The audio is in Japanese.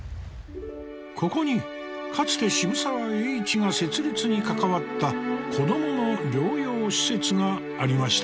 ここにかつて渋沢栄一が設立に関わった子どもの療養施設がありました。